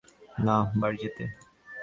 না, বাড়ি যেতে!